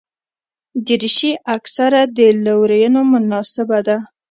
دریشي اکثره د لورینو مناسبو ده.